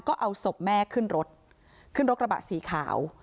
ก็เอาศพแม่ขึ้นรถขึ้นรถกระบะสีขาว